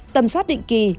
tầm soát định kỳ